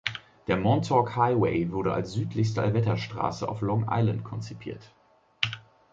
Der Montauk Highway wurde als südlichste Allwetterstraße auf Long Island konzipiert.